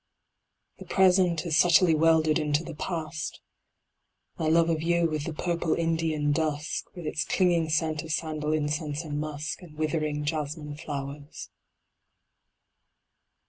The present is subtly welded into the past, My love of you with the purple Indian dusk, With its clinging scent of sandal incense and musk, And withering jasmin flowers.